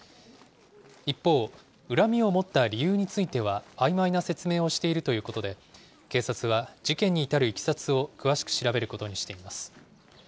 一方、恨みを持った理由については、あいまいな説明をしているということで、警察は事件に至るいきさつを詳しく調べることにしています。